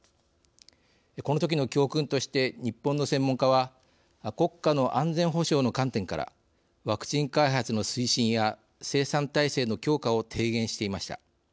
このときの教訓として日本の専門家は国家の安全保障の観点からワクチン開発の推進や生産体制の強化を提言していました。